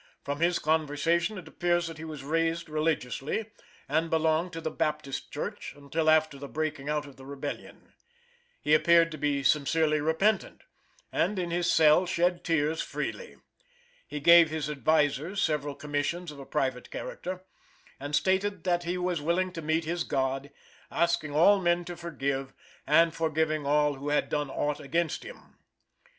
From his conversation it appears that he was raised religiously, and belonged to the Baptist church until after the breaking out of the rebellion. He appeared to be sincerely repentant, and in his cell shed tears freely. He gave his advisers several commissions of a private character, and stated that he was willing to meet his God, asking all men to forgive, and forgiving all who had done aught against him.